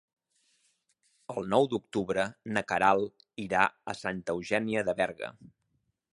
El nou d'octubre na Queralt irà a Santa Eugènia de Berga.